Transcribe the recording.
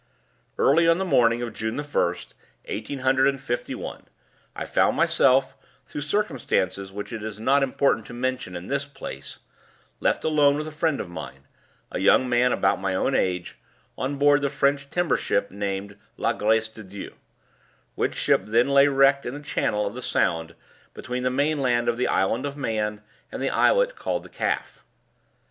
"Early on the morning of June the first, eighteen hundred and fifty one, I found myself (through circumstances which it is not important to mention in this place) left alone with a friend of mine a young man about my own age on board the French timber ship named La Grace de Dieu, which ship then lay wrecked in the channel of the Sound between the main land of the Isle of Man and the islet called the Calf.